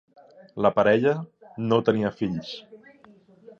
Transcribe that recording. La parella no tenia fills.